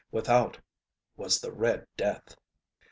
Without was the ŌĆ£Red Death.